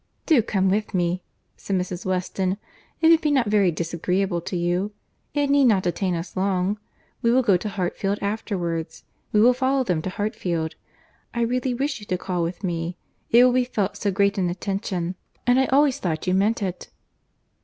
"Do come with me," said Mrs. Weston, "if it be not very disagreeable to you. It need not detain us long. We will go to Hartfield afterwards. We will follow them to Hartfield. I really wish you to call with me. It will be felt so great an attention! and I always thought you meant it."